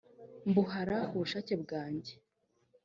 mbuhara ku bushake bwanjye